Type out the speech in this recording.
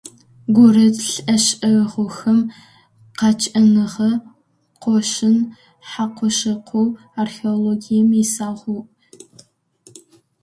Гурыт лӏэшӏэгъухэм къакӏэныгъэ къошын хьакъу-шыкъоу археологием исаугъэтхэм къащатӏыгъэхэм зышӏыгъэхэм ятамыгъэхэр зытедзагъэхэр ахэт.